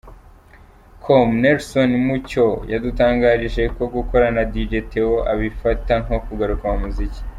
com, Nelson Mucyo yadutangarije ko gukorana na Dj Theo abifata nko kugaruka mu muziki.